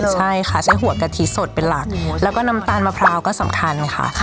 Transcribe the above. ใช่ค่ะใช้หัวกะทิสดเป็นหลักแล้วก็น้ำตาลมะพร้าวก็สำคัญค่ะ